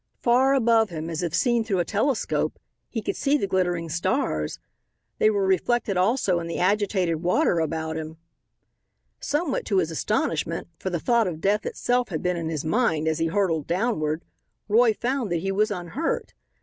Far above him, as if seen through a telescope, he could see the glittering stars. They were reflected, also, in the agitated water about him. Somewhat to his astonishment, for the thought of death itself had been in his mind as he hurtled downward, Roy found that he was unhurt.